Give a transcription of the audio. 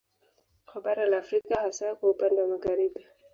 Kwa bara la Afrika hasa kwa upande wa Magharibi